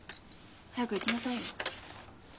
早く行きなさいよ。